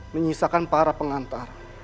menyisakan para pengantar